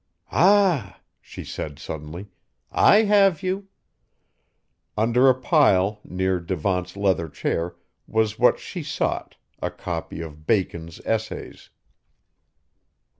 "Ah!" she said suddenly, "I have you!" Under a pile, near Devant's leather chair, was what she sought, a copy of Bacon's Essays.